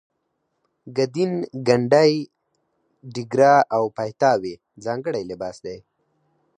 ګدین ګنډۍ ډیګره او پایتاوې ځانګړی لباس دی.